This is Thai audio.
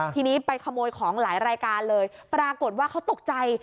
ทีนี้ไปขโมยของหลายรายการเลยปรากฏว่าเขาตกใจ